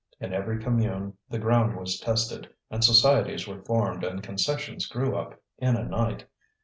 In every commune the ground was tested; and societies were formed and concessions grew up in a night.